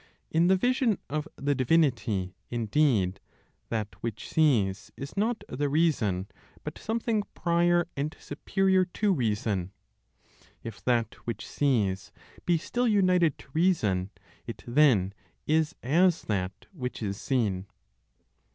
In the vision of the divinity, indeed, that which sees is not the reason, but something prior and superior to reason; if that which sees be still united to reason, it then is as that which is seen.